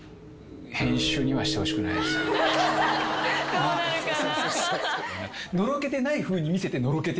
どうなるかな？